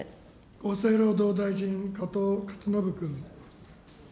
厚生労働大臣、加藤勝信君。